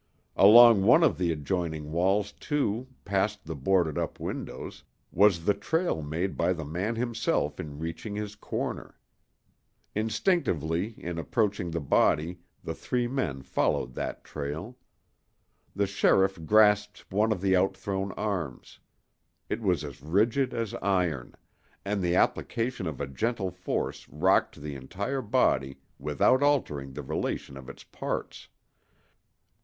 Along one of the adjoining walls, too, past the boarded up windows, was the trail made by the man himself in reaching his corner. Instinctively in approaching the body the three men followed that trail. The sheriff grasped one of the outthrown arms; it was as rigid as iron, and the application of a gentle force rocked the entire body without altering the relation of its parts.